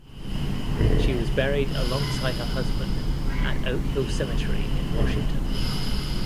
She was buried alongside her husband at Oak Hill Cemetery in Washington.